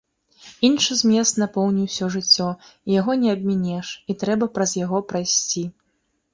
Іншы змест напоўніў усё жыццё, і яго не абмінеш, і трэба праз яго прайсці.